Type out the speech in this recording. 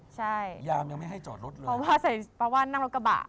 ใช่ยามยังไม่ให้จอดรถเลยเพราะว่าใส่เพราะว่านั่งรถกระบะ